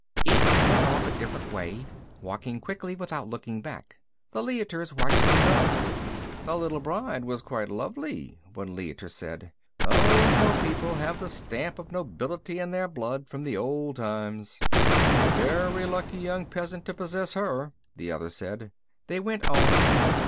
Each went off a different way, walking quickly without looking back. The Leiters watched them go. "The little bride was quite lovely," one Leiter said. "Those hill people have the stamp of nobility in their blood, from the old times." "A very lucky young peasant to possess her," the other said. They went on.